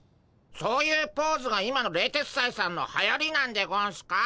そういうポーズが今の冷徹斎さんのはやりなんでゴンスか？